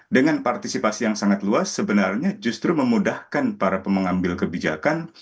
dengan partisipasi yang sangat luas sebenarnya justru memudahkan para pengambil kebijakan